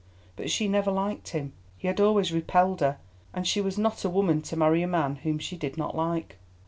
But she never liked him, he had always repelled her, and she was not a woman to marry a man whom she did not like.